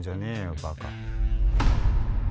バカ。